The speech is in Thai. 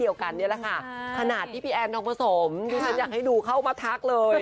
กันนี่แหละค่ะขนาดที่พี่แอนทองผสมที่ฉันอยากให้ดูเข้ามาทักเลย